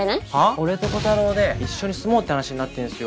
俺とコタローで一緒に住もうって話になってるんですよ。